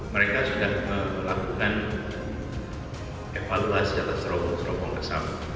mereka sudah melakukan evaluasi atas serobong serobong kasar